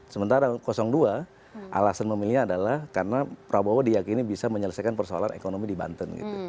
sementara dua alasan memilihnya adalah karena prabowo diyakini bisa menyelesaikan persoalan ekonomi di banten